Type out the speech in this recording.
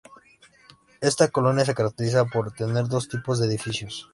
Esta colonia se caracteriza por tener dos tipos de edificios.